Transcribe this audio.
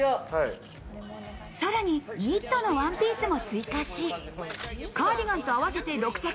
さらにニットのワンピースも追加し、カーディガンと合わせて６着